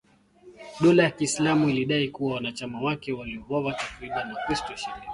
Dola ya Kiislamu ilidai kuwa wanachama wake waliwauwa takribani wakristo ishirini